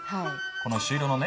この朱色のね